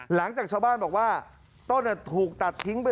หลังจากชาวบ้านบอกว่าต้นถูกตัดทิ้งไป